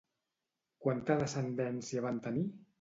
Quanta descendència van tenir?